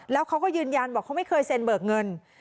แล้วเขาก็ยืนยันบอกเขาไม่เคยเซ็นเบิกเงิน